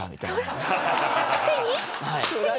手に？